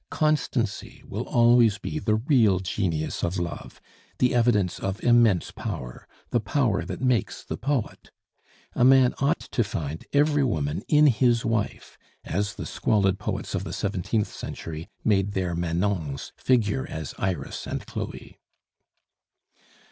Constancy will always be the real genius of love, the evidence of immense power the power that makes the poet! A man ought to find every woman in his wife, as the squalid poets of the seventeenth century made their Manons figure as Iris and Chloe.